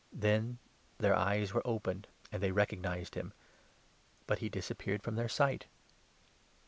Then their eyes were opened and they recognized him ; but he 31 disappeared from their sight.